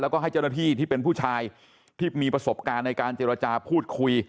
แล้วก็ให้เจ้าหน้าที่ที่เป็นผู้ชายที่มีประสบการณ์ในการเจรจาพูดคุย